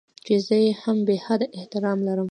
چې زه يې هم بې حده احترام لرم.